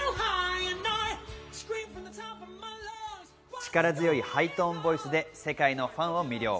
力強いハイトーンボイスで世界のファンを魅了。